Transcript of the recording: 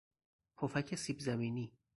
پفک سیب زمینی